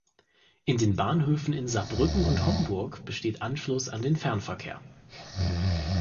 In den Bahnhöfen in Saarbrücken und Homburg besteht Anschluss an den Fernverkehr.